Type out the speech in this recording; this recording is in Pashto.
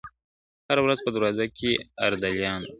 هره ورځ په دروازه کي اردلیان وه-